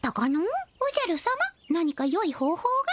おじゃる様何かよい方ほうが？